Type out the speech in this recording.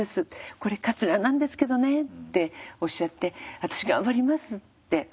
これカツラなんですけどね」っておっしゃって「私頑張ります」って。